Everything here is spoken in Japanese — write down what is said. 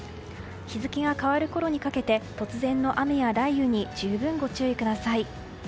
日付が変わるころにかけて突然の雨や雷雨に十分ご注意ください。